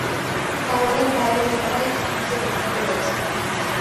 তার অনেক ভাই বোন সবাই ইতিহাসে বিখ্যাত রয়েছে।